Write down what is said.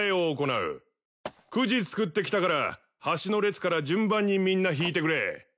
くじ作ってきたから端の列から順番にみんな引いてくれ。